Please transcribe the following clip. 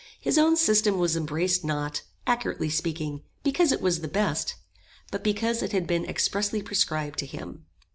His own system was embraced not, accurately speaking, because it was the best, but because it had been expressly prescribed to him.